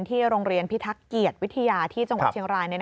ที่โรงเรียนพิทักษ์เกียรติวิทยาที่จังหวัดเชียงราย